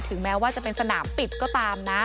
แม้ว่าจะเป็นสนามปิดก็ตามนะ